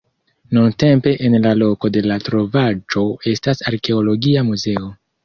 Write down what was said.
Nuntempe en la loko de la trovaĵo estas arkeologia muzeo.